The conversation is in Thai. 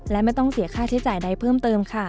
และไม่ต้องเสียค่าใช้จ่ายใดเพิ่มเติมค่ะ